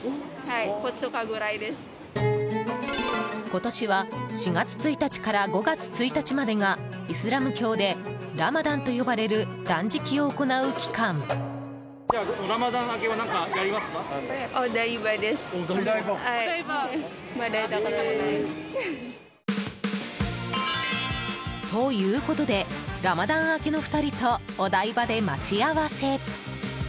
今年は４月１日から５月１日までがイスラム教でラマダンと呼ばれる断食を行う期間。ということでラマダン明けの２人とお台場で待ち合わせ。